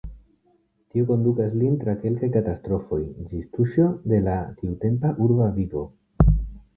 Tio kondukas lin tra kelkaj katastrofoj, ĝis tuŝo de la tiutempa urba vivo.